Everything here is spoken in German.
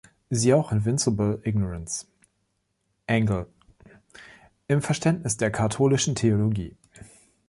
Siehe auch „Invincible Ignorance“ (engl.) im Verständnis der katholischen Theologie.